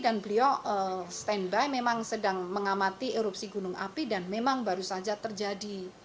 dan beliau stand by memang sedang mengamati erupsi gunung api dan memang baru saja terjadi